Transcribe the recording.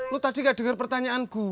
lu tadi gak denger pertanyaan gue